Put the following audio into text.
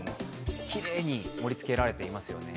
きれいに盛り付けられていますよね。